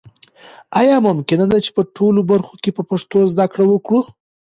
آیا ممکنه ده چې په ټولو برخو کې په پښتو زده کړه وکړو؟